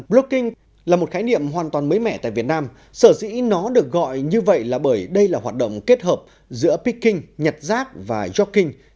blocking là một khái niệm hoàn toàn mới mẻ tại việt nam sở dĩ nó được gọi như vậy là bởi đây là hoạt động kết hợp giữa picking nhặt rác và jocking